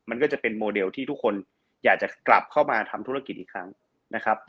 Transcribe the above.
มันก็จะเป็นโมเดลที่ทุกคนอยากจะกลับเข้ามาทำธุรกิจอีกครั้งนะครับ